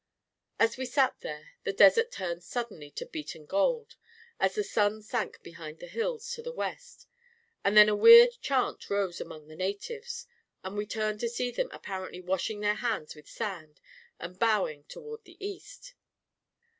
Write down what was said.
. As we sat there, the desert turned suddenly to beaten gold, as the sun sank behind the hills to the west; and then a weird chant rose among the na •§ tives; and we turned to see them apparently wash ^ ing their hands with sand and bowing toward the east.